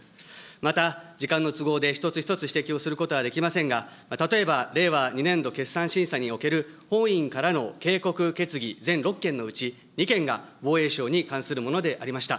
また時間の都合で、一つ一つ指摘をすることはできませんが、例えば令和２年度決算審査における、本院からの警告決議全６件のうち、２件が防衛省に関するものでありました。